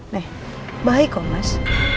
nih baik kok mas